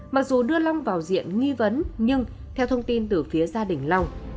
mặc dù đưa long vào diện nghi vấn nhưng theo thông tin từ phía gia đình long